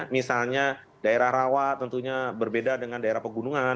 misalnya daerah rawa tentunya berbeda dengan daerah pegunungan